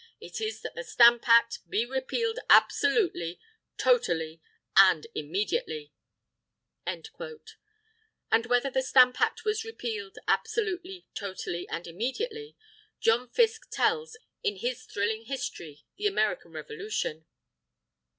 It is that the Stamp Act be repealed absolutely, totally, and immediately." And whether the Stamp Act was repealed "absolutely, totally, and immediately," John Fiske tells in his thrilling history, "The American Revolution."